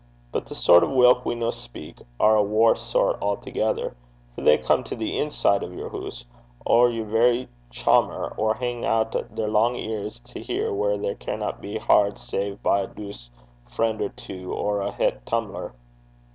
But the sort of whilk we noo speak, are a waur sort a'thegither; for they come to the inside o' yer hoose, o' yer verra chaumer, an' hing oot their lang lugs to hear what ye carena to be hard save by a dooce frien' or twa ower a het tum'ler.'